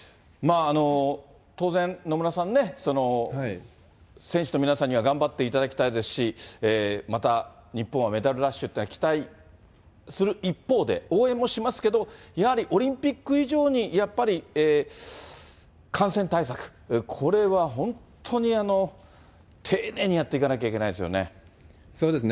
当然、野村さんね、選手の皆さんには頑張っていただきたいですし、また日本はメダルラッシュというのを期待する一方で、応援もしますけども、やはりオリンピック以上に、やっぱり感染対策、これは本当に丁寧にやっていかなきゃいけないですよね。